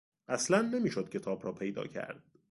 اصلا نمیشد کتاب را پیدا کرد.